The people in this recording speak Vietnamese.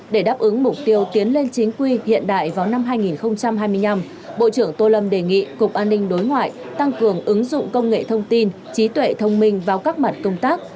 để đáp ứng mục tiêu tiến lên chính quy hiện đại vào năm hai nghìn hai mươi năm bộ trưởng tô lâm đề nghị cục an ninh đối ngoại tăng cường ứng dụng công nghệ thông tin trí tuệ thông minh vào các mặt công tác